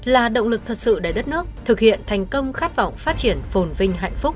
là động lực thật sự để đất nước thực hiện thành công khát vọng phát triển phồn vinh hạnh phúc